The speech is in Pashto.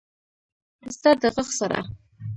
ستا د ږغ سره…